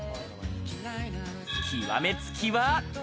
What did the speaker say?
極めつきは。